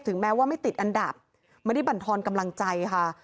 แม้ว่าไม่ติดอันดับไม่ได้บรรทอนกำลังใจค่ะ